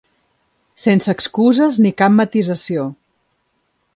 Sense excuses ni cap matisació.